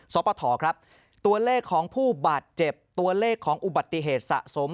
สปฐครับตัวเลขของผู้บาดเจ็บตัวเลขของอุบัติเหตุสะสม